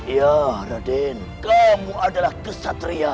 ya raden kamu adalah kesatria